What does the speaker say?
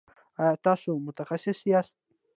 ایا تاسو متخصص یاست؟